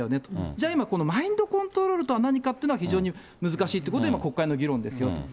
じゃあ今、このマインドコントロールとは何かというのは非常に難しいということが今、国会の議論ですよと。